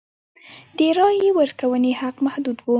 د رایې ورکونې حق محدود و.